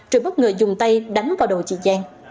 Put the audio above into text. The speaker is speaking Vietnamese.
rồi bất ngờ dùng tay đánh vào đầu chị giang